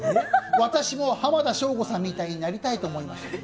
私も浜田省吾さんみたいになりたいと思いましたと。